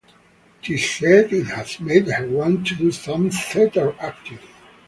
She said it has made her want to do some theater acting.